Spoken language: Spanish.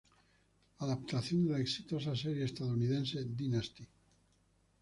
Adaptación de la exitosa serie estadounidense Dynasty.